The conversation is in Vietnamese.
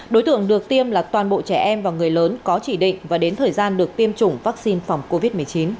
đối tượng được tiêm là toàn bộ trẻ em và người lớn có chỉ định và đến thời gian được tiêm chủng vaccine phòng covid một mươi chín